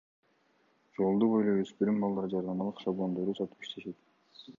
Жолду бойлой өспүрүм балдар жарнамалык шаблондорду сатып иштешет.